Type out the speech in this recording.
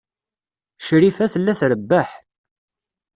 Crifa tella trebbeḥ.